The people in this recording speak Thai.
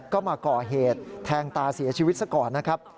ก็มาก่อเหตุแทงตาเสียชีวิตซะก่อนนะครับ